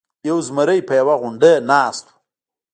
یو زمری په یوه غونډۍ ناست و.